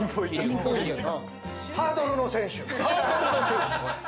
ハードルの選手？